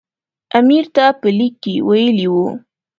امیر ته په لیک کې ویلي وو.